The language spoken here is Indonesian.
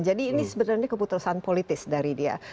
jadi ini sebenarnya keputusan politis dari dia